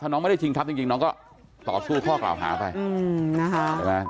ถ้าน้องไม่ได้ชิงทรัพย์จริงจริงน้องก็ต่อสู้พ่อกล่าวหาไปอืมนะฮะใช่ไหม